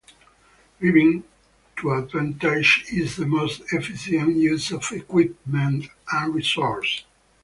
Reeving to advantage is the most efficient use of equipment and resources.